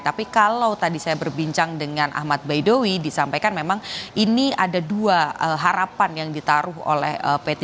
tapi kalau tadi saya berbincang dengan ahmad baidowi disampaikan memang ini ada dua harapan yang ditaruh oleh p tiga